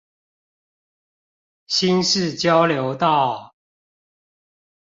新市交流道